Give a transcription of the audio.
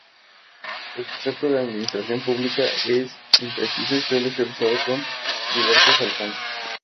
El concepto de "administración pública" es impreciso y suele ser usado con diversos alcances.